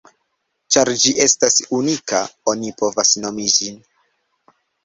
Ĉar ĝi estas unika, oni povas nomi ĝin.